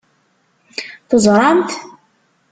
Teẓṛamt?